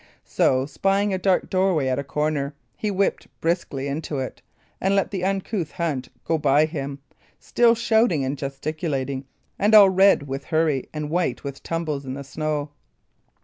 So, spying a dark doorway at a corner, he whipped briskly into it, and let the uncouth hunt go by him, still shouting and gesticulating, and all red with hurry and white with tumbles in the snow.